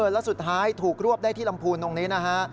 แล้วสุดท้ายถูกรวบได้ที่ลำพูนตรงนี้นะฮะ